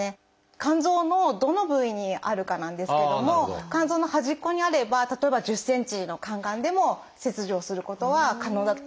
肝臓のどの部位にあるかなんですけども肝臓の端っこにあれば例えば１０ｃｍの肝がんでも切除することは可能だと。